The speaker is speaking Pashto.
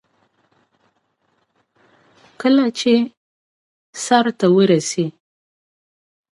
امیر سیورغتمیش په زندان کې وو.